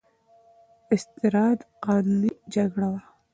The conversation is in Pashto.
استرداد قانوني جګړه وه.